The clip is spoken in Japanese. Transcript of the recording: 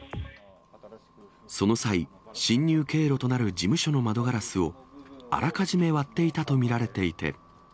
その際、侵入経路となる事務所の窓ガラスを、あらかじめ割っていたと見られていて。